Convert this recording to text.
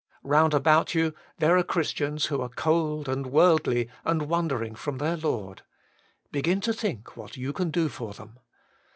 Round about you there are Christians who are cold and worldly and wandering from their Lord. Begin to think what you can do for them.